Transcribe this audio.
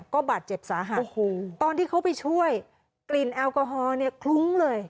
ก็บาดเจ็บสาหัสตอนที่เขาไปช่วยกลิ่นแอลกอฮอล์เนี่ยคลุ้งเลย